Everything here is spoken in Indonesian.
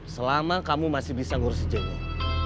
selama kamu masih bisa ngurusin